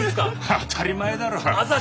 当たり前だろ。